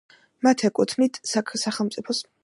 ცხოვრობდნენ მდინარე არაქსის ხეობაში.